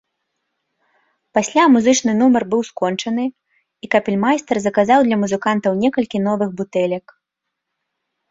Пасля музычны нумар быў скончаны, і капельмайстар заказаў для музыкантаў некалькі новых бутэлек.